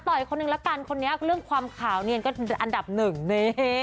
อีกคนนึงละกันคนนี้เรื่องความขาวเนี่ยก็อันดับหนึ่งนี่